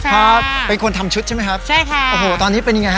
ครับเป็นคนทำชุดใช่ไหมครับใช่ค่ะโอ้โหตอนนี้เป็นยังไงฮ